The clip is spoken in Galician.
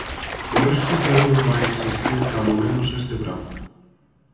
O risco cero non vai existir cando menos este verán.